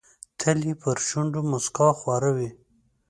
تل یې پر شونډو موسکا خوره وي.